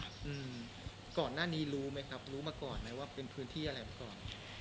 อืมก่อนหน้านี้รู้ไหมครับรู้มาก่อนไหมว่าเป็นพื้นที่อะไรมาก่อน